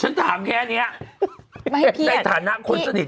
ฉันถามแค่นี้ในฐานะคนสนิท